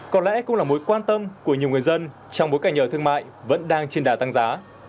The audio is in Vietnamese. có lẽ cũng là mối quan tâm của nhiều người dân trong bối cảnh nhà thương mại vẫn đang trên đà tăng giá